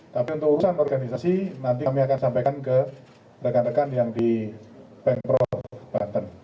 tapi untuk urusan organisasi nanti kami akan sampaikan ke rekan rekan yang di pengpro banten